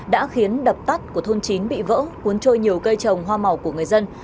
đã khiến đập tắt của thôn chín bị vỡ cuốn trôi nhiều cây trồng hoa màu của người dân